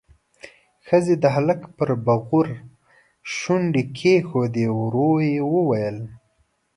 ښځې د هلک پر بغور شونډې کېښودې، ورو يې وويل: